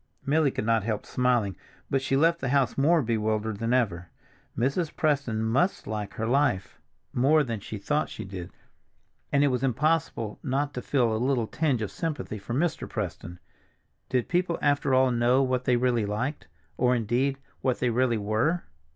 Milly could not help smiling, but she left the house more bewildered than ever. Mrs. Preston must like her life more than she thought she did, and it was impossible not to feel a little tinge of sympathy for Mr. Preston. Did people after all know what they really liked—or, indeed, what they really were?